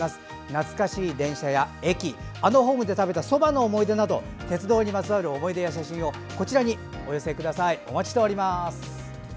懐かしい電車や駅あのホームで食べたそばの思い出など鉄道にまつわる思い出、写真をこちらにお寄せください。